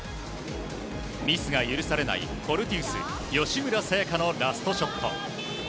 ミスが許されないフォルティウス吉村紗也のラストショット。